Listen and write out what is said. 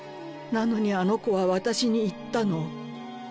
なのにあの子は私に言ったの。